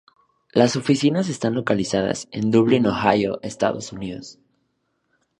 Las oficinas están localizadas en Dublin, Ohio, Estados Unidos.